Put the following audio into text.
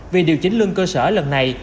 vì điều chỉnh lương cơ sở lần này